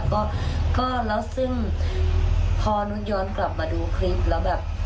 ก็ก็แล้วซึ่งพอนึกย้อนกลับมาดูคลิปแล้วแบบ